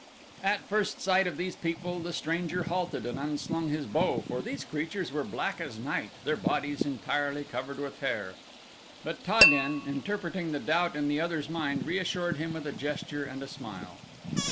At first sight of these people the stranger halted and unslung his bow for these creatures were black as night, their bodies entirely covered with hair. But Ta den, interpreting the doubt in the other's mind, reassured him with a gesture and a smile.